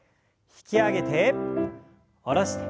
引き上げて下ろします。